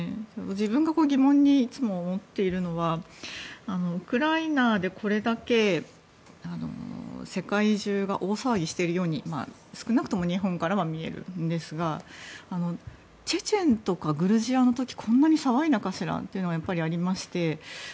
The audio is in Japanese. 自分が疑問にいつも思っているのはウクライナでこれだけ世界中が大騒ぎしているように少なくとも日本からは見えるんですがチェチェンとかグルジアの時はこんなに騒いだかしらというのはやっぱりありまして。